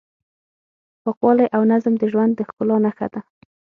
پاکوالی او نظم د ژوند د ښکلا نښه ده.